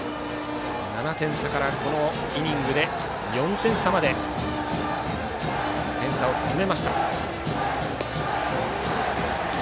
７点差から、このイニングで４点差まで点差を詰めました。